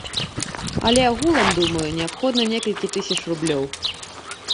Але агулам, думаю, неабходна некалькі тысяч рублёў.